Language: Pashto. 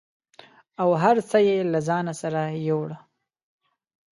او هر څه یې د ځان سره یووړه